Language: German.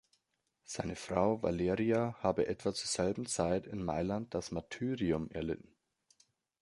Seine Frau Valeria habe etwa zur selben Zeit in Mailand das Martyrium erlitten.